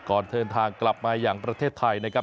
ก่อนเดินทางกลับมาอย่างประเทศไทยนะครับ